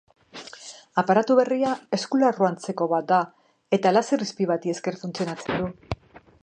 Aparatu berria eskularru antzeko bat da eta laser izpi bati esker funtzionatzen du.